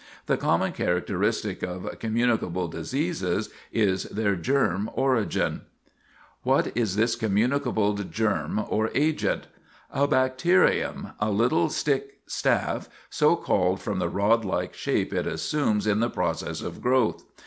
The common characteristic of "communicable diseases" is their germ origin. [Sidenote: What the Germ Is] What is this communicable germ or agent? A bacterium a little stick, staff so called from the rodlike shape it assumes in the process of growth.